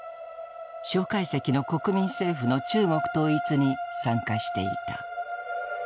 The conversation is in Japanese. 蒋介石の国民政府の中国統一に参加していた。